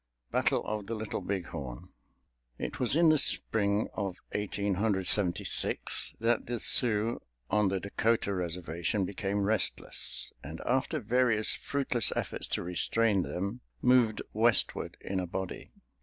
BATTLE OF THE LITTLE BIG HORN It was in the Spring of Eighteen Hundred Seventy six that the Sioux on the Dakota Reservation became restless, and after various fruitless efforts to restrain them, moved Westward in a body.